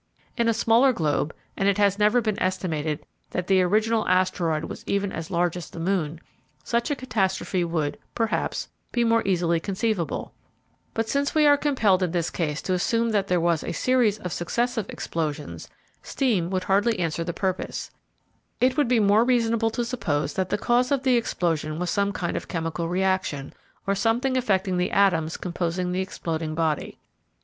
In a smaller globe, and it has never been estimated that the original asteroid was even as large as the moon, such a catastrophe would, perhaps, be more easily conceivable; but since we are compelled in this case to assume that there was a series of successive explosions, steam would hardly answer the purpose; it would be more reasonable to suppose that the cause of the explosion was some kind of chemical reaction, or something affecting the atoms composing the exploding body.